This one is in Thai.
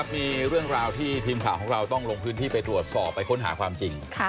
มีเรื่องราวที่ทีมข่าวของเราต้องลงพื้นที่ไปตรวจสอบไปค้นหาความจริง